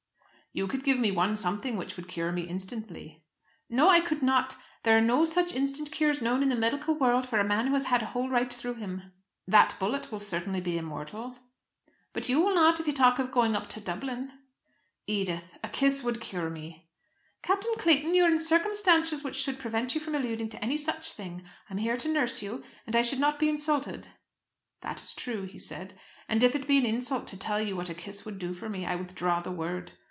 "You could give one something which would cure me instantly." "No, I could not! There are no such instant cures known in the medical world for a man who has had a hole right through him." "That bullet will certainly be immortal." "But you will not if you talk of going up to Dublin." "Edith, a kiss would cure me." "Captain Clayton, you are in circumstances which should prevent you from alluding to any such thing. I am here to nurse you, and I should not be insulted." "That is true," he said. "And if it be an insult to tell you what a kiss would do for me, I withdraw the word.